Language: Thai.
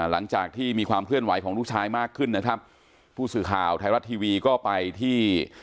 มากขึ้นนะครับผู้สื่อข่าวไทยรัฐทีวีก็ไปที่